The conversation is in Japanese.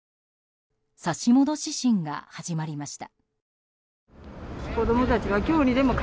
差し戻し審が始まりました。